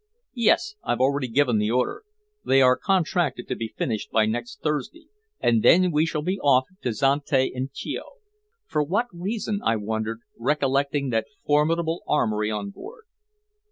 "Yes. I've already given the order. They are contracted to be finished by next Thursday, and then we shall be off to Zante and Chio." For what reason, I wondered, recollecting that formidable armory on board.